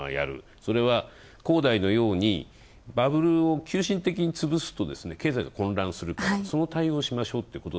それは恒大のようにバブルを急進的につぶすと経済が混乱するからその対応をしようと。